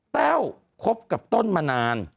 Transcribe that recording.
แต้วคบกับต้นมานาน